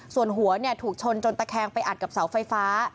ส่วนหัวถูกชนจนตะแคงไปอัดกับเสาไฟฟ้า